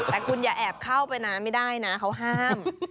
แต่คุณอย่าแอบเข้าไปนะไม่ได้นะเขาห้าม